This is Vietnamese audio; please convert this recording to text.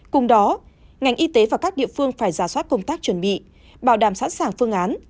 cùng đó ngành y tế và các địa phương phải giả soát công tác chuẩn bị bảo đảm sẵn sàng phương án